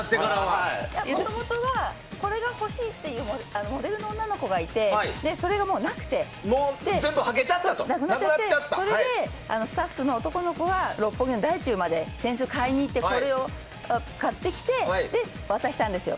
もともとはこれが欲しいって言うモデルの女の子がいてそれがなくなっちゃってそれでスタッフの男の子が六本木まで扇子を買いに行って渡したんですよ。